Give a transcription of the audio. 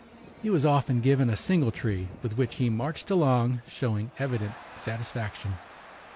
He was often given a singletree, with which he marched along, showing evident satisfaction.